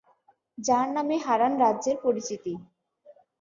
যার নামে হারান রাজ্যের পরিচিতি।